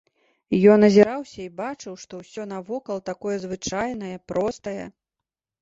Ён азіраўся і бачыў, што ўсё навокал такое звычайнае, простае.